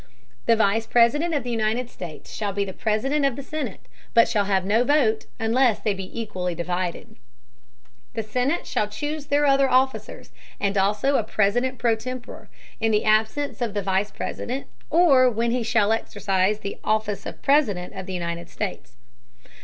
The Vice President of the United States shall be President of the Senate, but shall have no Vote, unless they be equally divided. The Senate shall chuse their other Officers, and also a President pro tempore, in the Absence of the Vice President, or when he shall exercise the Office of President of the United States.